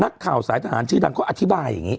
นักข่าวสายทหารชื่อดังเขาอธิบายอย่างนี้